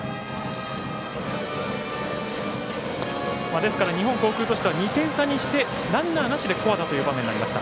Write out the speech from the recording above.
ですから、日本航空としては２点差にして、ランナーなしで古和田という場面になりました。